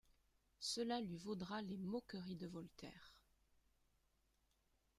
Cela lui vaudra les moqueries de Voltaire.